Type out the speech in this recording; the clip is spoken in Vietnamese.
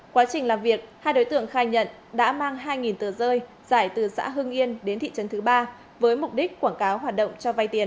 quá trình làm việc hai đối tượng khai nhận đã mang hai tờ rơi giải từ xã hưng yên đến thị trấn thứ ba với mục đích quảng cáo hoạt động cho vay tiền